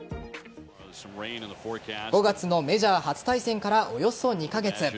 ５月のメジャー初対戦からおよそ２カ月。